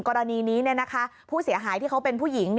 กรณีนี้ผู้เสียหายที่เขาเป็นผู้หญิง